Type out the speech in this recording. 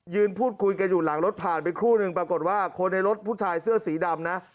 พูดคุยกันอยู่หลังรถผ่านไปครู่นึงปรากฏว่าคนในรถผู้ชายเสื้อสีดำนะ